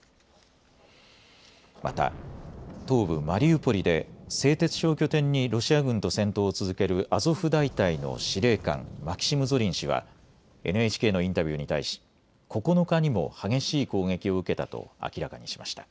また東部マリウポリで製鉄所を拠点にロシア軍と戦闘を続けるアゾフ大隊の司令官マキシム・ゾリン氏はＮＨＫのインタビューに対し９日にも激しい攻撃を受けたと明らかにしました。